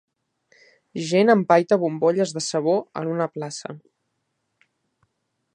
Gent empaita bombolles de sabó en una plaça